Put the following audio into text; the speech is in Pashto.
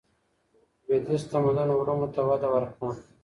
لوېدیځ تمدن علومو ته وده ورکړه.